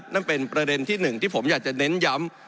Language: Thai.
นั่นเป็นประเด็นที่หนึ่งที่ผมอยากจะเน้นย้ำ